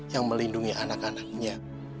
yang melindungi anak anaknya